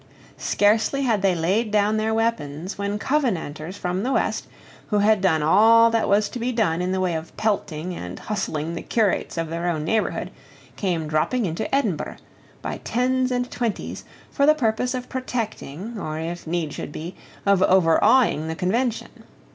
Scarcely had they laid down their weapons, when Covenanters from the west, who had done all that was to be done in the way of pelting and hustling the curates of their own neighbourhood, came dropping into Edinburgh, by tens and twenties, for the purpose of protecting, or, if need should be, of overawing the Convention.